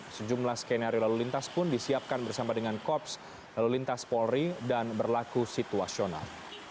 sejumlah skenario lalu lintas pun disiapkan bersama dengan korps lalu lintas polri dan berlaku situasional